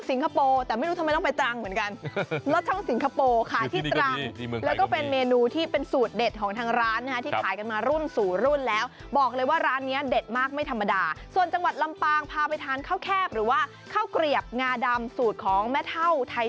ซ้อมปั้นข้าวเหนียวปั้นข้าวเหนียวอย่างนี้